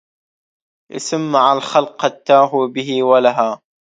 اسم مع الخلق قد تاهوا به ولها